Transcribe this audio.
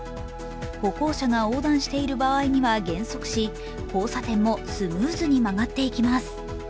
歩行者が横断している場合には減速し交差点もスムーズに曲がっていきます。